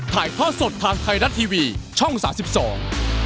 ถ่ายทอดสดทางไทยรัฐทีวีช่องสามสิบสอง